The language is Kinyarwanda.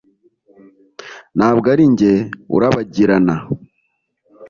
Ntabwo arinjye urabagirana